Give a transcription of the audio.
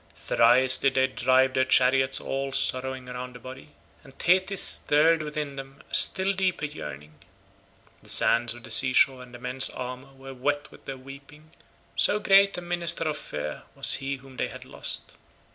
Thrice did they drive their chariots all sorrowing round the body, and Thetis stirred within them a still deeper yearning. The sands of the sea shore and the men's armour were wet with their weeping, so great a minister of fear was he whom they had lost.